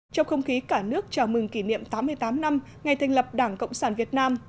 trong không khí cả nước chào mừng kỷ niệm tám mươi tám năm ngày thành lập đảng cộng sản việt nam